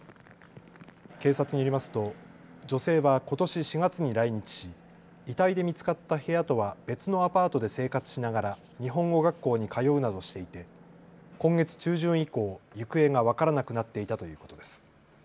警察によりますと女性はことし４月に来日し遺体で見つかった部屋とは別のアパートで生活しながら日本語学校に通うなどしていて今月中旬以降、行方が分からなくなっていたということです。